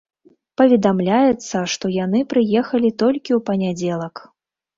Паведамляецца, што яны прыехалі толькі ў панядзелак.